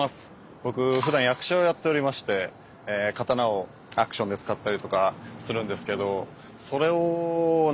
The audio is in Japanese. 僕ふだん役者をやっておりまして刀をアクションで使ったりとかするんですけどそれをね